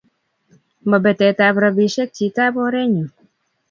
mo betet ab robishe chitap orenyuu